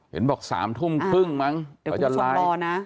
เห็นบอก๓ทุ่มครึ่งมั้งเดี๋ยวจะรอนะ